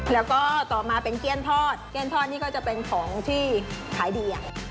แล้วก็ต่อมาเป็นเกี้ยนทอดเกี้ยนทอดนี่ก็จะเป็นของที่ขายดี